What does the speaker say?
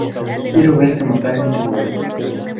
quiero verte matar un tiburón.